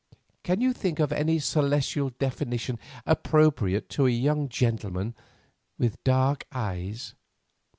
Can you think of any celestial definition appropriate to a young gentleman with dark eyes?"